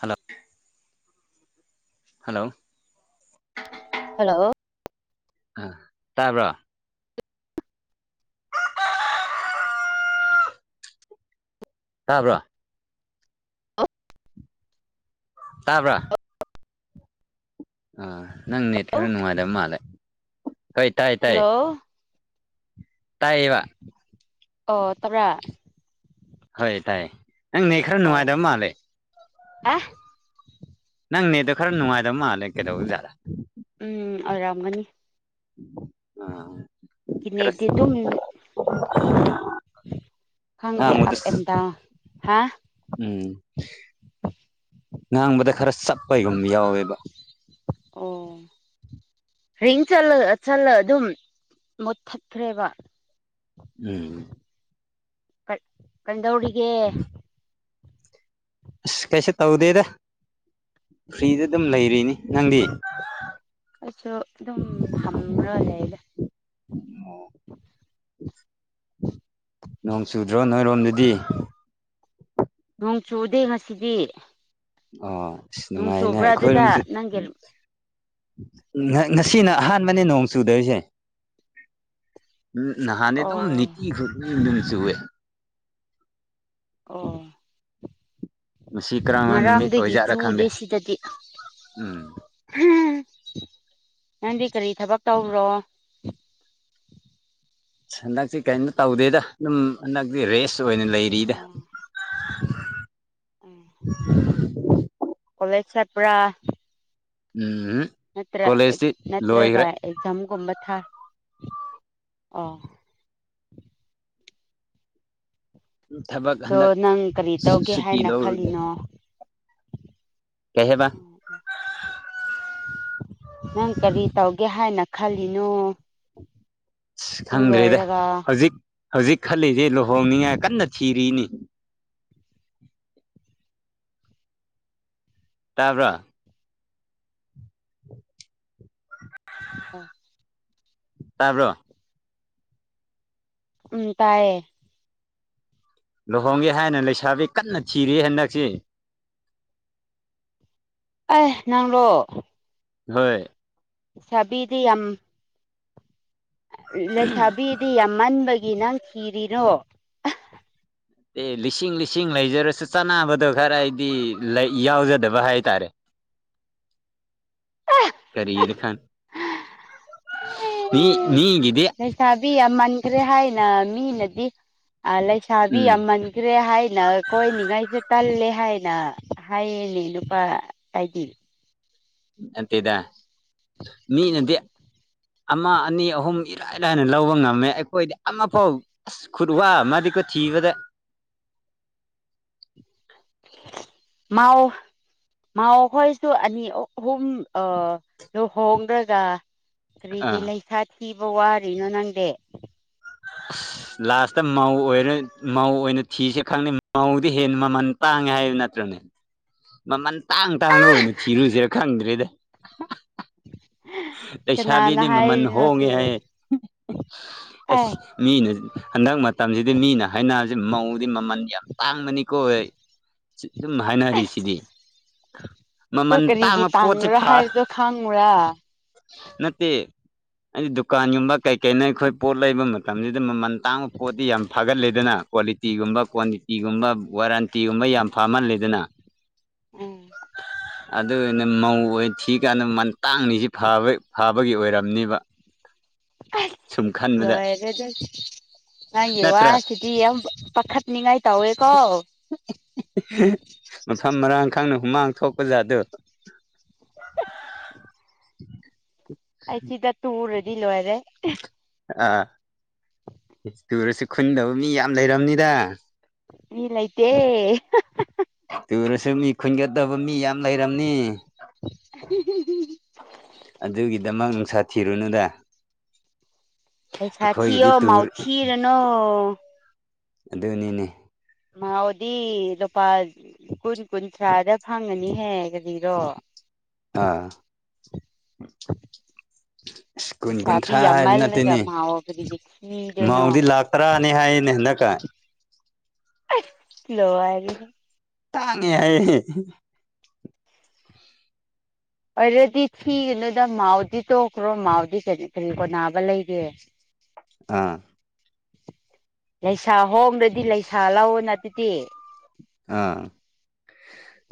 ꯍꯜꯂꯛ hello hello ꯑꯥ ꯇꯥꯕ꯭ꯔꯣ ꯇꯥꯕ꯭ꯔꯣ ꯇꯥꯕ꯭ꯔꯥ ꯑꯥ ꯅꯪ ꯅꯦꯠ ꯍꯜꯂꯣ ꯈꯔ ꯅꯨꯡꯉꯥꯏꯇꯕ ꯃꯥꯜꯂꯦ ꯍꯣꯏ ꯇꯥꯏ ꯇꯥꯏ ꯍꯜꯂꯣ ꯇꯥꯏꯌꯦꯕ ꯑꯣ ꯇꯥꯕꯔꯥ ꯍꯣꯏ ꯇꯥꯏꯌꯦ ꯅꯪ ꯅꯦꯠ ꯈꯔ ꯑꯣ ꯅꯨꯡꯉꯥꯏꯇꯕ ꯃꯥꯜꯂꯦ ꯑꯦ ꯅꯪꯅꯦꯠꯗꯣ ꯈꯔ ꯅꯨꯡꯉꯥꯏꯇꯕ ꯃꯥꯜꯂꯦ ꯀꯩꯗꯧꯔꯕꯖꯥꯠꯅꫭ ꯎꯝ ꯑꯣꯏꯔꯝꯒꯅꯤ ꯑ ꯀꯤꯅꯦꯗꯤ ꯈꯔꯁ [unintelligible] ꯈꯪꯗ‌ꯦ ꯑꯞ ꯑꯦꯟ ꯗꯥꯎꯟ ꯍꯥ ꯎꯝ ꯉꯥꯡꯕꯗ ꯈꯔ ꯆꯞꯄꯩꯒꯨꯝ ꯌꯥꯎꯋꯦꯕ ꯑꯣ [unintelligible] ꯔꯤꯡ ꯆꯂ ꯆꯠꯂ ꯑꯗꯨꯝ ꯃꯨꯠꯊꯠꯈ꯭ꯔꯦꯕ ꯎꯝ ꯀ ꯀꯩꯗꯧꯔꯤꯒ‌ꯦ ꯑꯁ ꯀꯩꯁꯨ ꯇꯧꯗꯦꯗ ꯐ꯭ꯔꯤꯗ ꯑꯗꯨꯝ ꯂꯩꯔꯤꯅꯤ ꯅꯪꯗꯤ ꯑꯩꯁꯨ ꯑꯗꯨꯝ ꯐꯝꯔꯥ ꯂꯩꯕꯅꯦ ꯑꯣ ꯅꯣꯡ ꯆꯨꯗ꯭ꯔꯣ ꯅꯣꯏꯔꯣꯝꯗꯗꯤ ꯅꯣꯡ ꯆꯨꯗꯦ ꯉꯁꯤꯗꯤ ꯑꯣ ꯅꯣꯡ ꯅꯨꯡꯉꯥꯏꯅꯦ ꯆꯨꯕ꯭ꯔꯥ ꯑꯗꯨꯗ ꯑꯩꯈꯣꯏꯔꯣꯝꯁꯨ ꯅꯪꯒꯤ ꯉꯁꯤꯅ ꯑꯍꯥꯟꯕꯅꯦ ꯅꯣꯡ ꯆꯨꯗꯣꯏꯁꯦ ꯎꯝ ꯅꯍꯥꯜꯗꯤ ꯑꯗꯨꯝ ꯑꯣ ꯅꯨꯡꯇꯤ ꯈꯨꯗꯤꯡꯒꯤ ꯆꯨꯏꯌꯦ ꯑꯣ ꯁꯤꯈ꯭ꯔꯝ [inaudible] ꯉꯔꯥꯡꯗꯒꯤ ꯆꯨꯗꯦ ꯁꯤꯗꯗꯤ ꯎꯝ ꯅꯪꯗꯤ ꯀꯔꯤ ꯊꯕꯛ ꯇꯧꯕ꯭ꯔꯣ ꯍꯟꯗꯛꯁꯤ ꯀꯩꯝ ꯇꯧꯗꯦꯗ ꯑꯗꯨꯝ ꯍꯟꯗꯛꯇꯤ ꯔꯦꯁ ꯑꯣꯏꯅ ꯂꯩꯔꯤꯗ ꯑꯣ ꯎꯝ ꯀꯣꯂꯦꯖ ꯆꯠꯄꯔꯥ ꯎꯝ ꯍꯨꯝ ꯅꯠꯇ꯭ꯔ ꯅꯠꯇ꯭ꯔꯒ ꯑꯦꯛꯖꯥꯝꯒꯨꯝꯕ ꯊꯥ ꯑꯣ ꯊꯕꯛ ꯑꯗꯣ ꯍꯟꯗꯛ ꯅꯪ ꯀꯔꯤ ꯇꯧꯒꯦ ꯁꯨꯇꯤ ꯍꯥꯏꯅ ꯂꯧꯔꯒ ꯈꯜꯂꯤꯅꯣ ꯀꯩ ꯍꯥꯏꯕ ꯅꯪ ꯀꯔꯤ ꯇꯧꯒꯦ ꯍꯥꯏꯅ ꯈꯜꯂꯤꯅꯣ ꯑꯁ ꯁ꯭ꯀꯨꯜ ꯈꯪꯗ꯭ꯔꯦꯗ ꯂꯣꯏꯔꯒ ꯍꯧꯖꯤꯛ ꯍꯧꯖꯤꯛ ꯈꯜꯂꯤꯁꯦ ꯂꯨꯍꯣꯡꯅꯤꯡꯉꯥꯏ ꯀꯟꯅ ꯊꯤꯔꯤꯅꯤ ꯇꯥꯕ꯭ꯔꯥ ꯇꯥꯕ꯭ꯔꯣ ꯎꯝ ꯇꯥꯏꯌꯦ ꯂꯨꯍꯣꯡꯒꯦ ꯍꯥꯏꯅ ꯂꯩꯁꯥꯕꯤ ꯀꯟꯅ ꯊꯤꯔꯤ ꯍꯟꯗꯛꯁꯤ ꯑꯩ ꯅꯪꯂꯣ ꯅꯣꯏ ꯂꯩꯁꯥꯕꯤꯗꯤ ꯌꯥꯝ ꯂꯩꯁꯥꯕꯤꯗꯤ ꯌꯥꯝ ꯃꯟꯕꯒꯤ ꯅꯪ ꯊꯤꯔꯤꯔꯣ ꯑꯦ ꯂꯤꯁꯤꯡ ꯂꯤꯁꯤꯡ ꯂꯩꯖꯔꯁꯨ ꯆꯥꯅꯕꯗꯣ ꯈꯔ ꯑꯩꯗꯤ ꯌꯥꯎꯖꯗꯕ ꯍꯥꯏꯇꯥꯔꯦ ꯀꯔꯤꯔ ꯈꯥꯟ ꯃꯤ ꯃꯤꯒꯤꯗꯤ ꯂꯩꯁꯥꯕꯤ ꯌꯥꯝꯃꯟꯈ꯭ꯔꯦ ꯍꯥꯏꯅ ꯃꯤꯅꯗꯤ ꯂꯩꯁꯥꯕꯤ ꯎꯝ ꯌꯥꯝꯃꯥꯟ ꯀꯔꯤ ꯍꯥꯏꯅ ꯀꯣꯏꯅꯤꯡꯉꯥꯏꯁꯦ ꯇꯜꯂꯦ ꯍꯥꯏꯅ ꯍꯥꯏꯔꯤꯅꯦ ꯅꯨꯄꯥ ꯍꯥꯏꯗꯤ ꯅꯠꯇꯦꯗ ꯃꯤꯅꯥꯗꯤ ꯑꯃ ꯑꯅꯤ ꯑꯍꯨꯝ ꯏꯔꯥꯏ ꯂꯥꯏꯅ ꯂꯧꯕ ꯉꯝꯃꯦ ꯑꯩꯈꯣꯏꯗꯤ ꯑꯃꯐꯥꯎ ꯑꯁ ꯈꯨꯠ ꯋꯥ ꯃꯥꯗꯤꯀꯣ ꯊꯤꯕꯗ ꯃꯥꯎ ꯃꯥꯎꯈꯣꯏꯁꯨ ꯑꯅꯤ ꯑꯍꯨꯝ ꯑ ꯂꯨꯍꯣꯡꯂꯒ ꯀꯔꯤꯒꯤ ꯑꯥ ꯂꯩꯁꯥ ꯊꯤꯕ ꯋꯥꯔꯤꯅꯣ ꯅꯪꯗꯤ ꯑꯁ ꯂꯥꯁꯇ ꯃꯧ ꯑꯣꯏꯅ ꯃꯧ ꯑꯣꯏꯅ ꯊꯤꯁꯦ ꯈꯪꯅꯩ ꯃꯧꯗꯤ ꯍꯦꯟꯅ ꯃꯃꯟ ꯇꯥꯡꯉꯦ ꯍꯥꯏꯕ ꯅꯠꯇ꯭ꯔꯅꯦ ꯃꯃꯜ ꯇꯥꯡ ꯇꯥꯡꯅ ꯑꯣꯏꯅ ꯊꯤꯔꯨꯁꯤꯔꯥ ꯈꯪꯗ꯭ꯔꯦꯗ ꯀꯅꯥꯅ ꯂꯩꯁꯥꯕꯤꯗꯤ ꯃꯃꯜ ꯍꯣꯡꯉꯦ ꯍꯥꯏꯔꯤꯅꯣꯁꯦ ꯍꯥꯏꯌꯦ ꯑꯁ ꯑꯦ ꯃꯤꯅ ꯍꯟꯗꯛ ꯃ ꯇꯝꯁꯤꯗꯤ ꯃꯤꯅ ꯍꯥꯏꯅꯕꯁꯤ ꯃꯧꯗꯤ ꯃꯃꯜ ꯌꯥꯝ ꯇꯥꯡꯕꯅꯤꯀꯣ ꯁꯨꯝ ꯍꯥꯏꯅꯔꯤꯁꯤꯗꯤ ꯑꯁ ꯑꯗꯨ ꯃꯃꯜ ꯀꯔꯤꯒꯤ ꯇꯥꯡꯕ ꯄꯣꯠꯁꯤ ꯇꯥꯡꯕ꯭ꯔꯥ ꯐ ꯍꯥꯏꯕꯗꯣ ꯈꯪꯕ꯭ꯔꯥ ꯅꯠꯇꯦ ꯑꯩꯗꯤ ꯗꯨꯀꯥꯟꯒꯨꯝꯕ ꯀꯩ ꯀꯩꯅꯣ ꯑꯩꯈꯣꯏ ꯄꯣꯠ ꯂꯩꯕ ꯃꯇꯝꯁꯤꯗ ꯃꯃꯜ ꯑꯇꯥꯡꯕ ꯄꯣꯠꯇꯤ ꯌꯥꯝ ꯐꯒꯜꯂꯤꯗꯅ ꯀ꯭ꯋꯥꯂꯤ ꯇꯤꯒꯨꯝꯕ ꯀ꯭ꯋꯥꯟꯇꯤꯇꯤꯒꯨꯝꯕ ꯋꯥꯔꯦꯟꯇꯤꯒꯨꯝꯕ ꯌꯥꯝ ꯐꯃꯜꯂꯤꯗꯅ ꯎꯝ ꯑꯗꯨ ꯑꯣꯏꯅ ꯃꯧ ꯑꯣꯏꯅ ꯊꯤꯀꯥꯟꯗ ꯃꯟ ꯇꯥꯡꯉꯤꯁꯤ ꯐꯕ ꯐꯕꯒꯤ ꯑꯣꯏꯔꯝꯅꯤꯕ ꯑꯁ ꯁꯨꯝ ꯈꯟꯕꯗ ꯂꯣꯏꯔꯦꯗ ꯅꯪꯒꯤ ꯋꯥ ꯅꯠꯇ꯭ꯔꯥ ꯁꯤꯇꯤ ꯌꯥꯝꯕ ꯄꯈꯠꯅꯤꯉꯥꯏ ꯇꯧꯋꯦꯀꯣ ꯃꯐꯝ ꯃꯔꯥꯡ ꯈꯪꯅ ꯍꯨꯃꯥꯡ ꯊꯣꯛꯄ ꯖꯥꯠꯗꯣ ꯑꯩ ꯁꯤꯗ ꯇꯨꯔꯗꯤ ꯂꯣꯏꯔꯦ ꯑꯥ ꯇꯨꯔꯁꯨ ꯈꯨꯟꯗꯕ ꯃꯤ ꯌꯥꯝ ꯂꯩꯔꯝꯅꯤꯗ ꯃꯤ ꯂꯩꯇꯦ ꯇꯨꯔꯁꯨ ꯃꯤ ꯈꯨꯟꯒꯠꯇꯕ ꯃꯤ ꯌꯥꯝ ꯂꯩꯔꯝꯅꯤ ꯑꯗꯨꯒꯤꯗꯃꯛ ꯅꯨꯡꯁꯥ ꯊꯤꯔꯨꯅꯨꯗ ꯄꯩꯁꯥ ꯊꯤ ꯑꯩꯈꯣꯏꯒꯤꯗꯤ ꯑꯣ ꯃꯥꯎ ꯇꯨꯔ ꯊꯤꯔꯅꯣ ꯑꯗꯨꯅꯤꯅꯦ ꯃꯥꯎꯗꯤ ꯂꯨꯄꯥ ꯀꯨꯟ ꯀꯨꯟꯊ꯭ꯔꯥꯗ ꯐꯪꯉꯒꯅꯤꯍꯦ ꯀꯔꯤꯔꯣ ꯑꯥ ꯑꯁ ꯀꯨꯟ ꯂꯩꯁꯥꯕꯤ ꯀꯨꯟꯊ꯭ꯔꯥ ꯍꯥꯏꯕ ꯌꯥꯝꯃꯜꯂꯒ ꯅꯠꯇꯦꯅꯦ ꯃꯥꯎꯕꯗꯨꯗꯤ ꯊꯤꯗꯣꯏꯅꯣ ꯃꯥꯎꯗꯤ ꯂꯥꯛ ꯇꯔꯥꯅꯤ ꯍꯥꯏꯌꯦꯅꯦ ꯍꯟꯗꯛ ꯀ ꯑꯁ ꯂꯣꯏꯔꯦꯍꯦ ꯇꯥꯡꯉꯦ ꯍꯥꯏꯌꯦ ꯑꯣꯏꯔꯗꯤ ꯊꯤꯒꯅꯨꯗ ꯃꯥꯎꯗꯤ ꯇꯣꯛꯈ꯭ꯔꯣ ꯃꯥꯎꯗꯤ ꯀꯔꯤ ꯀꯔꯤ ꯀꯣꯅꯥꯕ ꯂꯩꯒꯦ ꯑꯥ ꯂꯩꯁꯥ ꯍꯣꯡꯗ꯭ꯔꯗꯤ ꯂꯩꯁꯥ ꯂꯧꯅ ꯑꯗꯨꯗꯤ ꯑꯥ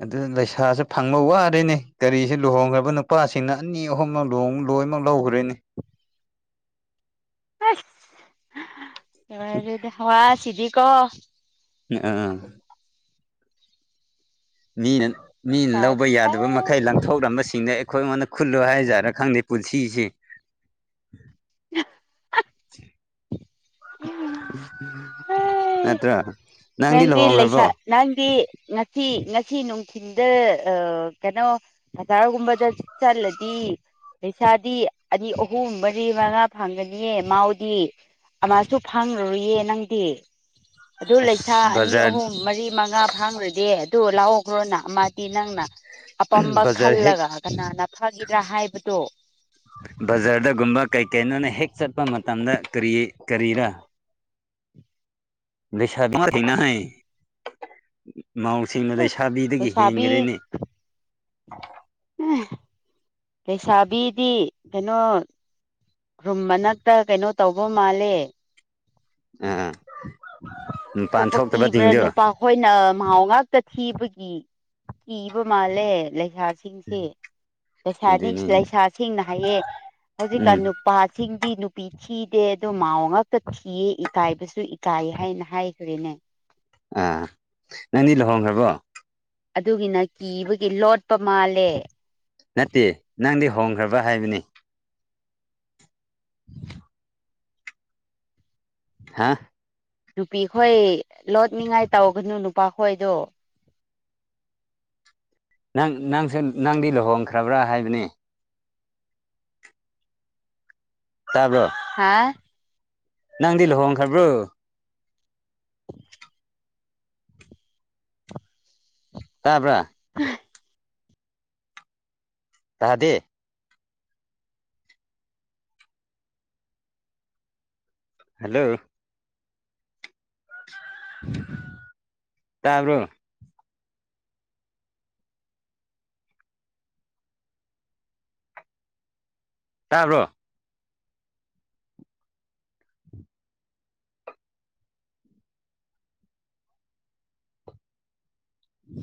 ꯑꯗꯨ ꯂꯩꯁꯥꯁꯨ ꯐꯪꯕ ꯋꯥꯔꯅꯦ ꯀꯔꯤꯁꯨ ꯂꯨꯍꯣꯡꯈ꯭ꯔꯕ ꯅꯨꯄꯥꯁꯤꯡꯅ ꯑꯅꯤ ꯑꯍꯨꯝ ꯂꯣꯡ ꯂꯣꯏꯃꯛ ꯂꯧꯈ꯭ꯔꯦꯅꯤ ꯑꯁ [unintelligible] ꯍꯋꯥ ꯁꯤꯗꯤ ꯀꯣ ꯑꯥ ꯃꯤꯅ ꯃꯤꯅ ꯂꯧꯕ ꯂꯩꯁꯥꯕꯤ ꯌꯥꯗꯕ ꯑꯩ ꯃꯈꯩ ꯂꯪ ꯊꯣꯛꯂꯝꯕꯁꯤꯡꯗ ꯑꯩꯈꯣꯏꯉꯣꯟꯗ ꯈꯨꯜꯂꯨ ꯍꯥꯏꯖꯥꯔꯅ ꯈꯪꯗꯦ ꯄꯨꯟꯁꯤꯁꯤ [unintelligible] ꯅꯠꯇ꯭ꯔ ꯅꯪꯗꯤ ꯂꯩꯁꯥ ꯅꯪꯗꯤ ꯉꯁꯤ ꯉꯁꯤ ꯅꯨꯡꯊꯤꯜꯗ ꯑꯥ ꯀꯩꯅꯣ ꯍꯖꯥꯔꯒꯨꯝꯕꯗ ꯆꯠꯂꯗꯤ ꯄꯩꯁꯥꯗꯤ ꯑꯅꯤ ꯑꯍꯨꯝ ꯃꯔꯤ ꯃꯉꯥ ꯐꯪꯒꯅꯤꯌꯦ ꯃꯥꯎꯗꯤ ꯑꯃꯁꯨ ꯐꯪꯔꯔꯨꯌꯦ ꯅꯪꯗꯤ ꯑꯗꯨ ꯂꯩꯁꯥ ꯑꯁ ꯑꯅꯤ ꯕꯖꯥꯔ ꯑꯍꯨꯝ ꯃꯔꯤ ꯃꯉꯥ ꯐꯥꯡꯈ꯭ꯔꯗꯤ ꯑꯗꯨ ꯂꯥꯛꯑꯣꯈ꯭ꯔꯣꯅ ꯑꯃꯗꯤ ꯅꯪꯅ ꯑꯄꯥꯝꯕ ꯕꯖꯥꯔ ꯍꯦꯛ ꯈꯜꯂꯒ ꯀꯅꯥꯅ ꯐꯒꯤꯗ꯭ꯔꯥ ꯍꯥꯏꯕꯗꯨ ꯕꯖꯥꯔꯗꯒꯨꯝꯕ ꯀꯩꯀꯩꯅꯣꯅ ꯍꯦꯛ ꯆꯠꯄ ꯃꯇꯝꯗ ꯀꯔꯤ ꯀꯔꯤꯔꯥ ꯂꯩꯁꯥꯕꯤ ꯊꯦꯡꯅꯍꯩ ꯃꯥꯎꯁꯤꯡꯅ ꯑꯁ ꯂꯩꯁꯥꯕꯤꯗꯒꯤ ꯍꯦꯟꯈ꯭ꯔꯦꯅꯦ ꯍꯥ ꯂꯩꯩꯁꯥꯕꯤꯗꯤ ꯀꯩꯅꯣ ꯔꯨꯝ ꯃꯅꯥꯛꯇ ꯀꯩꯅꯣ ꯇꯧꯕ ꯃꯥꯜꯂꯦ ꯑꯥ ꯃꯄꯥꯟ ꯊꯣꯛꯇꯕ ꯊꯤꯡꯗꯣ ꯈꯣꯏꯅ ꯃꯍꯥꯎ ꯉꯥꯛꯇ ꯊꯤꯕꯒꯤ ꯀꯤꯕ ꯃꯥꯜꯂꯦ ꯂꯩꯁꯥꯁ ꯁꯤꯡꯁꯤ ꯂꯩꯁꯥ ꯑꯗꯨꯅꯤ ꯂꯩꯁꯥꯁꯤꯡꯅ ꯍꯥꯏꯌꯦ ꯍꯧꯖꯤꯛꯀꯥꯟ ꯎꯝ ꯅꯨ ꯅꯨꯄꯥꯁꯤꯡꯗꯤ ꯅꯨꯄꯤ ꯊꯤꯗꯦ ꯑꯗꯣ ꯃꯥꯎ ꯉꯛꯇ ꯊꯤꯌꯦ ꯏꯀꯥꯏꯕꯁꯨ ꯏꯀꯥꯏꯌꯦ ꯅ ꯍꯥꯏꯈ꯭ꯔꯔꯤꯅꯦ ꯑꯥ ꯅꯪꯗꯤ ꯂꯨꯍꯣꯡꯈ꯭ꯔꯕꯣ ꯑꯗꯨꯒꯤꯅ ꯀꯤꯕꯒꯤ ꯂꯣꯠꯄ ꯃꯥꯜꯂꯦ ꯅꯠꯇꯦ ꯅꯪꯗꯤ ꯍꯣꯡꯈ꯭ꯔꯕ ꯍꯥꯏꯕꯅꯤ [unintelligible] ꯍꯥ ꯅꯨꯄꯤꯈꯣꯏ ꯂꯣꯠꯅꯤꯡꯉꯥꯏ ꯇꯧꯒꯅꯨ ꯅꯨꯄꯥꯈꯣꯏꯗꯨ ꯅꯪ ꯅꯪꯁꯨ ꯅꯪꯗꯤ ꯂꯨꯍꯣꯡꯈ꯭ꯔꯕ꯭ꯔ ꯍꯥꯏꯕꯅꯤ ꯇꯥꯕ꯭ꯔꯣ ꯍꯥ ꯅꯪꯗꯤ ꯂꯨꯍꯣꯡꯈ꯭ꯔꯕ꯭ꯔꯣ ꯇꯥꯕ꯭ꯔꯥ [unintelligible] ꯇꯥꯗꯦ ꯍꯜꯂꯣ ꯇꯥꯕ꯭ꯔꯣ ꯇꯥꯕ꯭ꯔꯣ ꯎ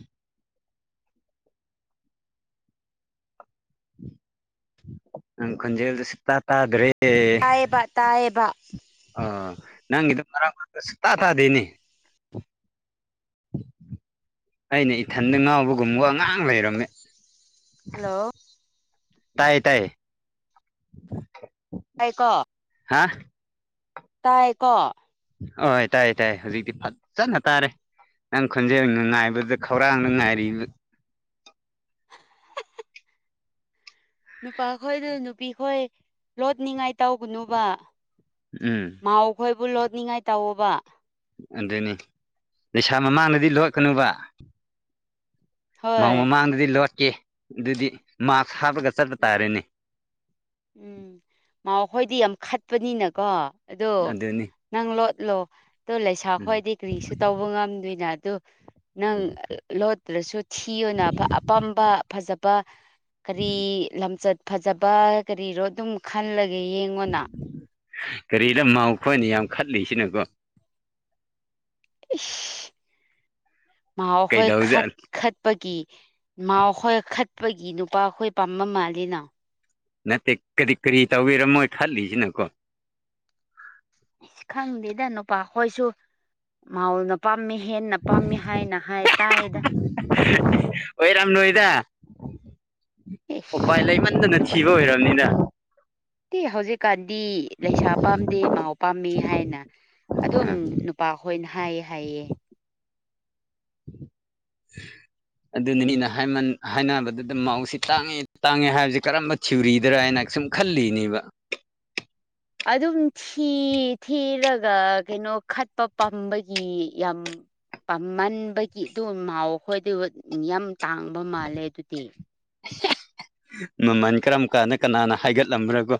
ꯅꯪ ꯈꯟꯖꯦꯜꯗꯨ ꯁꯤꯛꯇꯥ ꯇꯥꯗ꯭ꯔꯦ ꯇꯥꯏꯕ ꯇꯥꯥꯏꯌꯦꯕ ꯑ ꯅꯪꯒꯤꯗ ꯃꯔꯥꯡ ꯃꯔꯥꯏ ꯁ ꯇꯥ ꯇꯥꯗꯦꯅꯦ ꯑꯩꯅ ꯏꯊꯟꯗ ꯉꯥꯎꯕꯒꯨꯝꯕ ꯑꯉꯥꯡ ꯂꯩꯔꯝꯃꯦ ꯍꯜꯂꯣ ꯇꯌꯦ ꯇꯥꯏꯌꯦ ꯇꯥꯏꯀꯣ ꯍꯥ ꯇꯥꯏꯀꯣ ꯍ ꯇꯥꯏ ꯇꯥꯏ ꯍꯧꯖꯤꯛꯇꯤ ꯐꯖꯅ ꯇꯥꯔꯦ ꯅꯪ ꯈꯣꯟꯖꯦꯜꯅ ꯉꯥꯏꯕꯗꯨꯗ ꯈꯧꯔꯥꯡꯅ ꯉꯥꯏꯔꯤꯕ ꯅꯨꯄꯥ ꯈꯣꯏꯗ ꯅꯨꯄꯤ ꯈꯣꯏ ꯂꯣꯠꯅꯤꯡꯉꯥꯏ ꯇꯧꯒꯅꯨꯕ ꯎꯝ ꯃꯥꯎ ꯈꯣꯏꯕꯨ ꯂꯣꯠꯅꯤꯡꯉꯥꯏ ꯇꯧꯋꯣꯕ ꯑꯗꯨꯅꯤ ꯂꯩꯁꯥ ꯃꯃꯥꯡꯗꯗꯤ ꯂꯣꯛꯀꯅꯨꯕ ꯃꯧ ꯍꯣꯏ ꯃꯃꯥꯡꯗꯗꯤ ꯂꯣꯠꯀꯦ ꯑꯗꯨꯗꯤ ꯃꯥꯛꯁ ꯍꯥꯞꯄꯒ ꯆꯠꯄ ꯎꯝ ꯇꯥꯔꯦꯅꯦ ꯎꯝ ꯃꯥ ꯍꯣꯏꯗꯤ ꯌꯥꯝ ꯈꯠꯄꯅꯤꯅꯀꯣ ꯑꯗꯣ ꯑꯗꯨꯅꯤ ꯅꯪ ꯂꯣꯠꯂꯣ ꯑ ꯂꯩꯁꯥ ꯎꯝ ꯈꯣꯏꯗꯤ ꯀ꯭ꯔꯤꯁꯨ ꯇꯧꯕ ꯉꯝꯗꯣꯏꯅ ꯑꯗꯨ ꯅꯪ ꯎꯝ ꯂꯣꯠꯇ꯭ꯔꯁꯨ ꯊꯤꯅ ꯑꯄꯥꯝꯕ ꯐꯖꯕ ꯀꯔꯤ ꯂꯝꯆꯠ ꯐꯖꯕ ꯀꯔꯤꯔꯣ ꯑꯗꯨꯝ ꯈꯜꯂꯒꯦ ꯌꯦꯡꯉꯣꯅ ꯀꯔꯤ ꯂꯝꯃꯎꯈꯣꯏꯅꯤ ꯌꯥꯝ ꯈꯠꯂꯤꯁꯤꯅꯀꯣ ꯃꯥ ꯍꯣꯏ ꯈꯠ ꯀꯩꯗꯧꯖꯥꯠ ꯈꯠ ꯠꯄꯒꯤ ꯃꯥꯎ ꯈꯈꯣꯏ ꯈꯠꯄꯒꯤ ꯅꯨꯄꯥꯈꯣꯏ ꯄꯥꯝꯕ ꯃꯥꯜꯂꯤꯅ ꯅꯠꯇꯦ ꯀꯔꯤ ꯀꯔꯤ ꯇꯧꯕꯤꯔꯝꯃꯣꯏ ꯈꯠꯂꯤꯁꯤꯅ ꯀꯣ ꯑꯁ ꯈꯪꯗꯦꯗ ꯅꯨꯄꯥ ꯍꯣꯏꯁꯨ ꯃꯥꯎꯅ ꯄꯥꯝꯃꯤ ꯍꯦꯟꯅ ꯄꯥꯝꯃꯤ ꯍꯥꯏꯅ ꯍꯥꯏ ꯇꯥꯏꯗ ꯑꯣꯏꯣꯏꯔꯝꯅ ꯑꯣꯏꯣꯏꯗ ꯎꯄꯥꯏ ꯏꯁ ꯂꯩꯃꯟꯗꯅ ꯅꯨꯄꯥ ꯊꯤꯕ ꯑꯣꯏꯔꯕꯅꯤꯅ ꯍꯧꯖꯤꯛꯀꯥꯟꯗꯤ ꯂꯩꯁꯥ ꯄꯥꯝꯗꯦ ꯃꯥꯎ ꯄꯥꯝꯃꯤ ꯍꯥꯏꯅ ꯑꯗꯨꯝ ꯅꯨꯄꯥꯈꯣꯏꯅ ꯍꯥꯏꯌꯦ ꯍꯥꯏꯌꯦ ꯑꯗꯨꯅꯤ ꯃꯤꯅ ꯍꯥꯏꯅꯕꯗꯨꯗ ꯃꯧꯁꯤ ꯇꯥꯡꯉꯦ ꯇꯥꯡꯉꯦ ꯍꯥꯏꯕꯁꯤ ꯀꯔꯝꯕ ꯊꯤꯔꯤꯗꯔ ꯍꯥꯏꯅ ꯁꯨꯝ ꯈꯜꯂꯤꯅꯦꯕ ꯑꯗꯨꯝ ꯁꯤ ꯊꯤꯔꯒ ꯀꯩꯅꯣ ꯈꯠꯄ ꯄꯥꯝꯕꯒꯤ ꯌꯥꯝ ꯄꯥꯝꯃꯟꯕꯒꯤ ꯑꯗꯨ ꯃꯥꯎꯈꯣꯏꯗꯨ ꯌꯥꯝ ꯇꯥꯡꯕ ꯃꯥꯜꯂꯦ ꯑꯗꯨꯗꯤ ꯃꯃꯜ ꯀꯔꯝ ꯀꯥꯟꯗ ꯀꯅꯥꯅ ꯍꯥꯏꯒꯠꯂꯝꯕ꯭ꯔꯒꯣ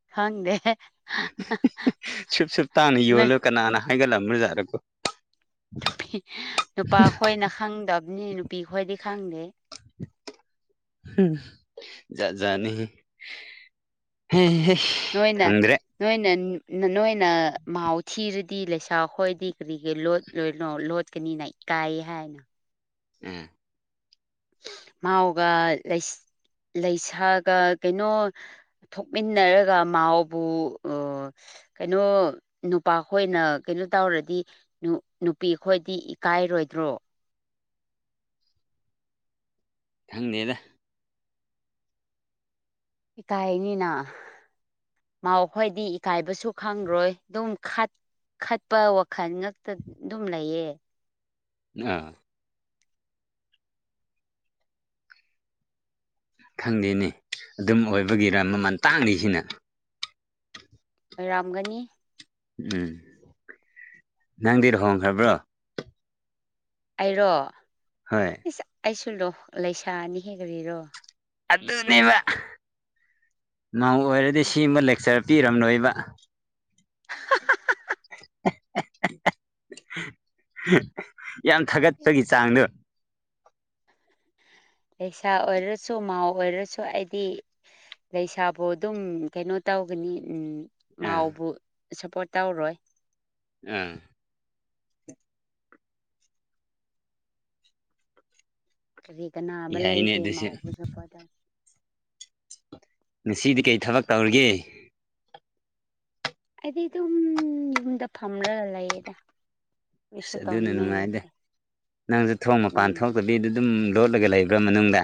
ꯑ ꯈꯪꯗꯦ ꯍ ꯍ ꯁꯨꯞ ꯆꯨꯞ ꯇꯥꯅ ꯌꯣꯜꯂꯣ ꯅꯨꯄꯤ ꯀꯅꯥꯅ ꯑꯥꯏꯒ ꯂꯨꯖꯥꯔꯣ ꯅꯨꯄꯤ ꯅꯨꯄꯥ ꯈꯣꯏꯅ ꯈꯪꯗꯕꯅꯤ ꯅꯨꯄꯤ ꯈꯣꯏꯗꯤ ꯈꯪꯗꯦ ꯍ ꯖꯥꯠ ꯖꯥꯠꯅꯤꯍꯦ ꯍꯥꯏꯁ ꯅꯣꯏꯅ ꯅꯣꯏꯅ ꯅꯣꯏꯅ ꯃꯥꯎ ꯊꯤꯔꯗꯤ ꯂꯩꯁꯥ ꯈꯣꯏꯗꯤ ꯀꯔꯤꯒꯤ ꯂꯣꯠ ꯂꯣꯏꯅꯣ ꯂꯣꯠꯀꯅꯤꯅ ꯏ ꯀꯥꯏ ꯍꯥꯏꯅ ꯎꯝ ꯃꯥꯎꯒ ꯂꯩ ꯂꯩꯁꯥꯒ ꯀꯩꯅꯣ ꯊꯣꯛꯃꯤꯟꯅꯔꯒ ꯃꯥꯎꯕꯨ ꯑꯥ ꯀꯩꯅꯣ ꯅꯨꯄꯥꯈꯣꯏꯅ ꯀꯩꯅꯣ ꯇꯧꯔꯗꯤ ꯅꯨꯄꯤꯈꯣꯏꯗꯤ ꯏꯀꯥꯏꯔꯣꯏꯗ꯭ꯔꯣ ꯈꯪꯅꯦꯗ ꯏ ꯀꯥꯏꯅꯤꯅ ꯃꯥꯎ ꯈꯣꯏꯗꯤ ꯏꯀꯥꯏꯕꯁꯨ ꯈꯪꯔꯣꯏ ꯑꯗꯨꯝ ꯈꯠ ꯈꯠꯄ ꯋꯥꯈꯜ ꯉꯇ ꯑꯗꯨꯝ ꯂꯩꯌꯦ ꯑꯥ ꯈꯪꯗꯦꯅꯦ ꯑꯗꯨꯝ ꯑꯣꯏꯕꯒꯤꯔ ꯃꯃꯜ ꯇꯥꯡꯂꯤꯁꯤꯅ ꯑꯣꯏꯔꯥꯝꯒꯅꯤ ꯎꯨꯝ ꯅꯪꯗꯤ ꯂꯨꯍꯣꯡꯈ꯭ꯔꯕ꯭ꯔꯣ ꯑꯩꯔꯣ ꯍꯣꯏ ꯏꯁ ꯑꯩꯁꯨ ꯂꯣ ꯂꯩꯁꯥꯅꯤꯍꯦ ꯀꯔꯤꯔꯣ ꯑꯗꯨꯅꯦꯕ ꯃꯧ ꯑꯣꯏꯔꯗꯤ ꯁꯤꯃꯥ ꯂꯦꯛꯆꯔ ꯄꯤꯔꯝꯂꯣꯏꯕ ꯑ ꯍ ꯍ ꯍ ꯌꯥꯝ ꯊꯥꯒꯠꯄꯒꯤ ꯆꯥꯡꯗꯨ ꯂꯩꯁꯥ ꯑꯣꯏꯔꯁꯨ ꯃꯥꯎ ꯑꯣꯏꯔꯁꯨ ꯍꯥꯏꯗꯤ ꯂꯩꯁꯥꯕꯨ ꯑꯗꯨꯝ ꯀꯩꯅꯣ ꯇꯧꯒꯅꯤ ꯑꯥ ꯃꯥꯎꯕꯨ ꯁꯞꯄꯣꯔꯠ ꯇꯧꯔꯣꯏ ꯑꯥ ꯀꯔꯤ ꯀꯅꯥꯕ ꯌꯥꯏꯅꯦ ꯂꯩꯒꯦ ꯑꯗꯨꯁꯨ ꯃꯥꯎꯕ ꯆꯠꯄꯗ ꯉꯁꯤꯗꯤ ꯀꯔꯤ ꯊꯕꯛ ꯇꯧꯔꯒꯦ ꯑꯩꯗꯤ ꯑꯗꯨꯝ ꯌꯨꯝꯗ ꯐꯝꯔꯒ ꯂꯩꯌꯦꯗꯥ ꯑꯁ ꯑꯗꯨꯅ ꯅꯨꯡꯉꯥꯏꯗꯦ ꯅꯪꯁꯨ ꯊꯣꯡ ꯃꯄꯥꯟ ꯎꯝ ꯊꯣꯛꯇ ꯗꯨ ꯑꯗꯨꯝ ꯂꯣꯠꯂꯒ ꯂꯩꯕ꯭ꯔꯥ ꯃꯅꯨꯡꯗ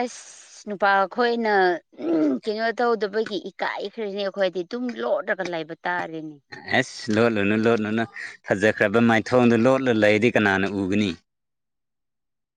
ꯑꯁ [inaudible] ꯁ ꯅꯨꯄꯥ ꯑꯩꯈꯣꯏꯅ ꯎꯝ ꯀꯩꯅꯣ ꯇꯧꯗꯕꯒꯤ ꯏꯀꯥꯏꯈ꯭ꯔꯅꯤ ꯑꯩꯈꯣꯏꯗꯤ ꯇꯨꯝ ꯂꯣꯂꯒ ꯂꯩꯥꯏꯕ ꯇꯇꯥꯔꯔꯤꯅꯤ [inaudible] ꯑꯁ ꯂꯣꯠꯂꯨꯅꯨ ꯂꯣꯠꯂꯨꯅꯨ ꯐꯖꯈ꯭ꯔꯕ ꯃꯥꯏꯊꯣꯡꯗꯣ ꯂꯣꯠꯂꯨ ꯂꯩꯔꯗꯤ ꯀꯅꯥꯅ ꯎꯒꯅꯤ